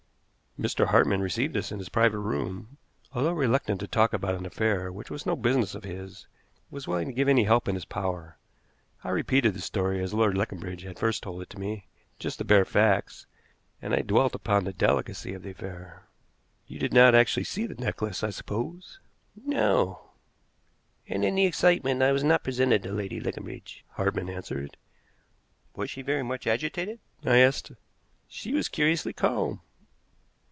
Mr. Hartmann received us in his private room, and, although reluctant to talk about an affair which was no business of his, was willing to give any help in his power. I repeated the story as Lord Leconbridge had first told it to me, just the bare facts, and I dwelt upon the delicacy of the affair. "You did not actually see the necklace, I suppose?" "No; and in the excitement I was not presented to Lady Leconbridge," Hartmann answered. "Was she very much agitated?" I asked. "She was curiously calm."